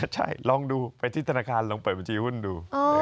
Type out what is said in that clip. ใช่ลองดูไปที่ธนาคารลองเปิดบัญชีหุ้นดู